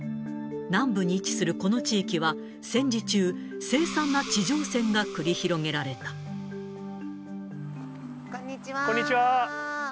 南部に位置するこの地域は、戦時中、凄惨な地上戦が繰り広げこんにちは。